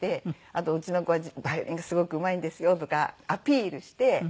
あと「うちの子はヴァイオリンがすごくうまいんですよ」とかアピールして。